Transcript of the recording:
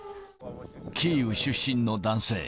キーウ出身の男性。